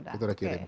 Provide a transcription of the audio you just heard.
kita sudah kirim